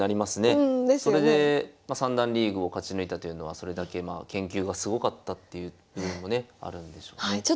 それで三段リーグを勝ち抜いたというのはそれだけまあ研究がすごかったっていう部分もねあるんでしょうね。